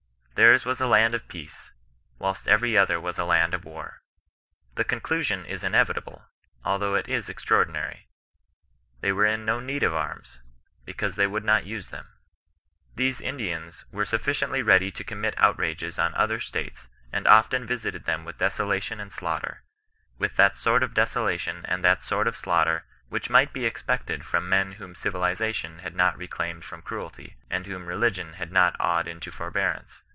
Theirs was a land of peace, whilst every other was a land of war. The con clusion is inevitable, although it is extraordinary ; they were in no need of arms, because they wovJia not use them^ " These Indians were sufficiently ready to commit out rages on other states, and often visited them with deso lation and slaughter ; with that sort of desolation and that sort of slaughter which might be expected from men whom civilization had not reclaimed from cruelty, and whom religion had not awed into forbearance.